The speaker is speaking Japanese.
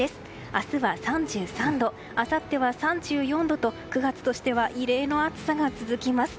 明日は３３度あさっては３４度と９月としては異例の暑さが続きます。